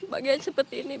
bagian seperti ini